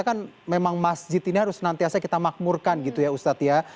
kan memang masjid ini harus nantiasa kita makmurkan gitu ya ustadz ya